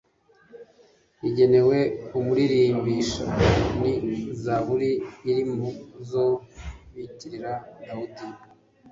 igenewe umuririmbisha. ni zaburi iri mu zo bitirira dawudi